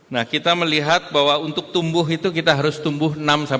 nah kita melihat bahwa untuk tumbuh itu kita harus tumbuh enam satu